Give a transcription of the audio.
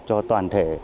cho toàn thể